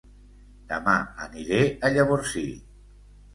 Dema aniré a Llavorsí